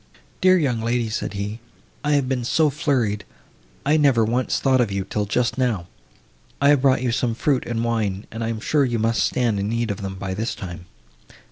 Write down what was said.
"Dear young lady," said he, "I have been so flurried, I never once thought of you till just now. I have brought you some fruit and wine, and I am sure you must stand in need of them by this time."